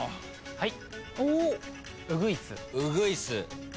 はい。